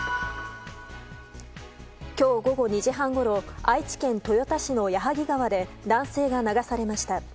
今日午後２時半ごろ愛知県豊田市の矢作川で男性が流されました。